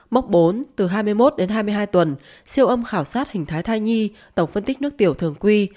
mốc bốn từ hai mươi một đến hai mươi hai tuần siêu âm khảo sát hình thái thai nhi tổng phân tích nước tiểu thường quy